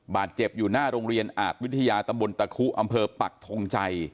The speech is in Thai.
บาดเจ็บอยู่หน้าโรงเรียนอาทวิทยาตมรตระคุอปรกธงใจ